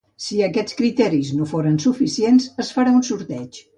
Si aquests criteris no foren suficients es farà un sorteig.